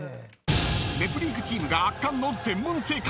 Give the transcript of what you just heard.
［ネプリーグチームが圧巻の全問正解］